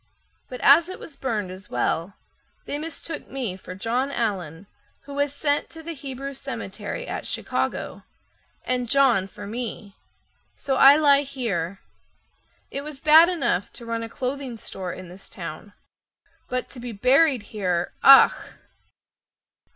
But as it was burned as well, they mistook me For John Allen who was sent to the Hebrew Cemetery At Chicago, And John for me, so I lie here. It was bad enough to run a clothing store in this town, But to be buried here—_ach!